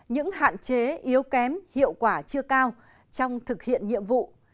những hạn chế yếu kém hiệu quả chưa cao trong thực hiện nhiệm vụ